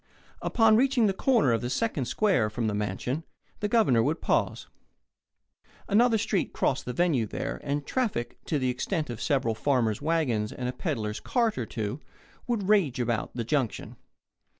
Upon reaching the corner of the second square from the mansion, the Governor would pause. Another street crossed the venue there, and traffic, to the extent of several farmers' wagons and a peddler's cart or two, would rage about the junction.